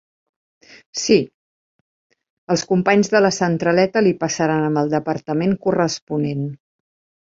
Sí, els companys de la centraleta li passaran amb el departament corresponent.